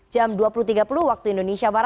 jam dua puluh tiga puluh wib